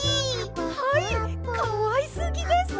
はいかわいすぎです！